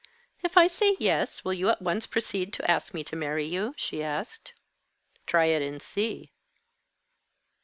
"If I say yes, will you at once proceed to ask me to marry you?" she asked. "Try it and see."